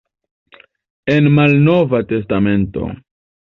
El Malnova Testamento.